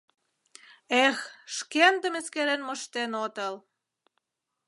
Э-эх, шкендым эскерем моштен отыл!..